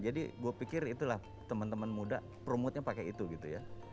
jadi gue pikir itulah temen temen muda promote nya pakai itu gitu ya